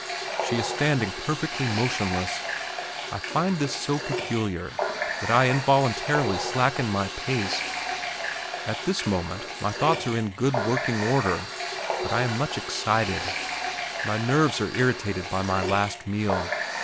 She is standing perfectly motionless. I find this so peculiar that I involuntarily slacken my pace. At this moment my thoughts are in good working order, but I am much excited; my nerves are irritated by my last meal.